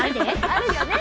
あるよね。